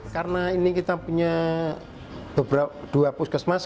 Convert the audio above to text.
karena ini kita punya dua puskesmas